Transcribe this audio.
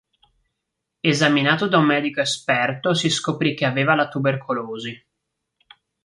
Esaminato da un medico esperto si scoprì che aveva la tubercolosi.